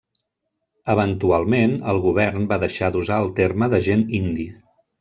Eventualment, el govern va deixar d'usar el terme d'agent indi.